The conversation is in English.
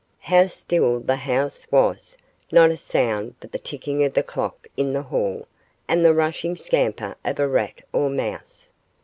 How still the house was: not a sound but the ticking of the clock in the hall and the rushing scamper of a rat or mouse.